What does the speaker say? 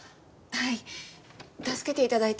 はい。